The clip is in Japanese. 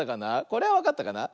これはわかったかな？